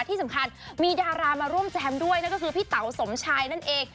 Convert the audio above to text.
ที่สำคัญมีดารามาร่วมแจมด้วยนั่นก็คือพี่เต๋าสมชายนั่นเอง